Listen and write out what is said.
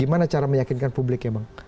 gimana cara meyakinkan publik ya bang